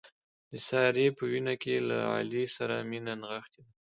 د سارې په وینه کې له علي سره مینه نغښتې ده.